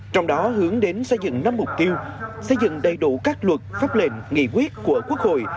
trong đó hướng đến xây dựng năm mục tiêu xây dựng đầy đủ các luật pháp lệnh nghị quyết của quốc hội